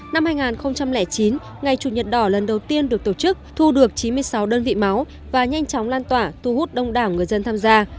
năm hai nghìn chín ngày chủ nhật đỏ lần đầu tiên được tổ chức thu được chín mươi sáu đơn vị máu và nhanh chóng lan tỏa thu hút đông đảo người dân tham gia